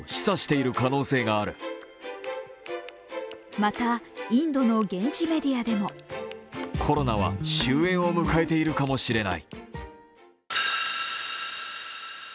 また、インドの現地メディアでもコロナは終えんを迎えているかもしれない。